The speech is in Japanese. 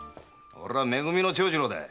俺はめ組の長次郎だ。